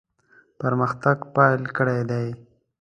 پرمختګ پیل کړی دی.